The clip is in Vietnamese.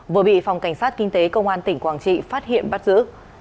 vừa bị phòng cảnh sát kinh tế công an tỉnh quảng trị phát hiện bắt giữ